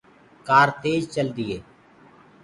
ڪآر تيج چلدي هي۔